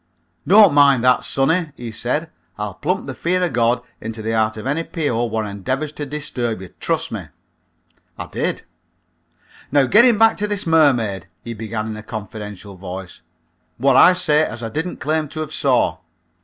"Don't mind that, sonny," he said, "I'll pump the fear o' God into the heart of any P.O. what endeavors to disturb you. Trust me." I did. "Now getting back to this mermaid," he began in a confidential voice, "what I say as I didn't claim to have saw.